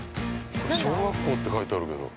小学校って書いてあるけど。